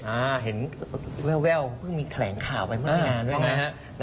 อ่าเห็นแววเพิ่งมีแถลงข่าวไปเมื่อไม่นานด้วยนะฮะ